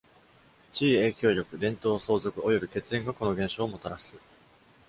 地位、影響力、伝統、相続および血縁がこの現象をもたらす。